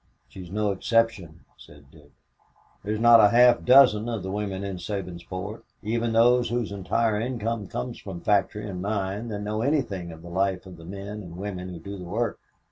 "She's no exception," said Dick. "There are not a half dozen of the women in Sabinsport, even those whose entire income comes from factory and mine, that know anything of the life of the men and women who do the work.